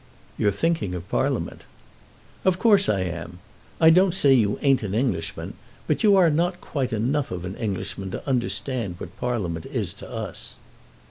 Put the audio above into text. "You're thinking of Parliament." "Of course I am. I don't say you ain't an Englishman, but you are not quite enough of an Englishman to understand what Parliament is to us."